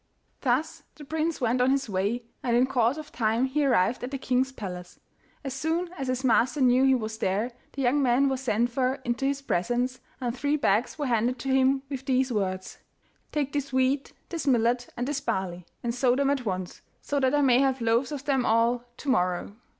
Thus the prince went on his way, and in course of time he arrived at the king's palace. As soon as his master knew he was there, the young man was sent for into his presence, and three bags were handed to him with these words: 'Take this wheat, this millet, and this barley, and sow them at once, so that I may have loaves of them all to morrow.